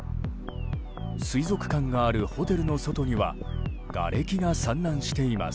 水族館があるホテルの外にはがれきが散乱しています。